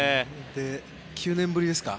９年ぶりですか。